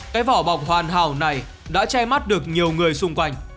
cái vỏ bọc hoàn hảo này đã che mắt được nhiều người xung quanh